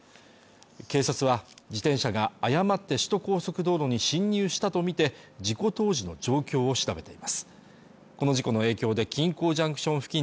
警察は自転車が誤って首都高速道路に進入したとみて事故当時の状況を調べています